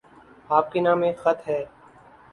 آپ کے نام ایک خط ہے